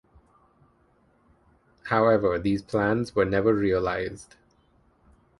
However, these plans were never realized.